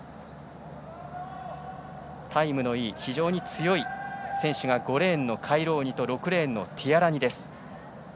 タイムのいい非常に強い選手が５レーン、カイローニと６レーンのティアラニです。